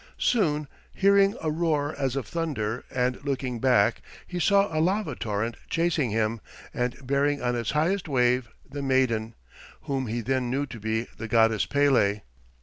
Soon, hearing a roar as of thunder and looking back, he saw a lava torrent chasing him and bearing on its highest wave the maiden, whom he then knew to be the goddess Pele.